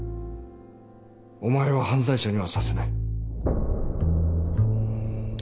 お前は犯罪者にはさせない。